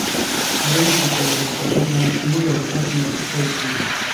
دوی نه شي کولای پر همه شموله حکومت موافقه وکړي.